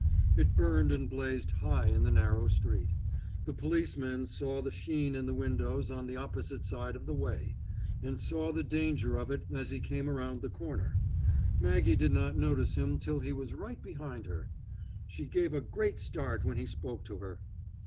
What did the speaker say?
It burned and blazed high in the narrow street. The policeman saw the sheen in the windows on the opposite side of the way, and saw the danger of it as he came around the corner. Maggie did not notice him till he was right behind her. She gave a great start when he spoke to her.